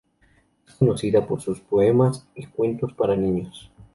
Es conocida por sus poemas y cuentos para niños.